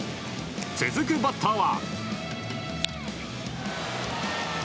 続くバッターは。